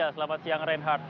selamat siang reinhardt